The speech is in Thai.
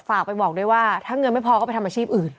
ฝากไปบอกด้วยว่าถ้าเงินไม่พอก็ไปทำอาชีพอื่น